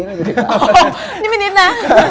นี่ไม่นิดนะ